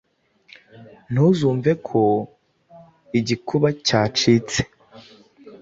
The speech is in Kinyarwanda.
ntuzumve ko igikuba cyacitse